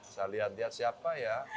saya lihat lihat siapa ya